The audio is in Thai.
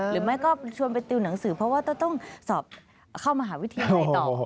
หรือไม่ก็ชวนไปติวหนังสือเพราะว่าต้องสอบเข้ามหาวิทยาลัยต่อ